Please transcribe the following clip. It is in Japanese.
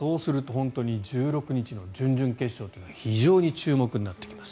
１６日の準々決勝というのは非常に注目になってきます。